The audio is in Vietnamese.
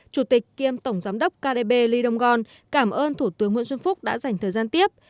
chủ tịch kiêm tổng giám đốc kdb lidong gon cảm ơn thủ tướng nguyễn xuân phúc đã dành thời gian tiếp